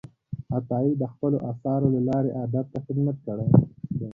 عطايي د خپلو آثارو له لارې ادب ته خدمت کړی دی.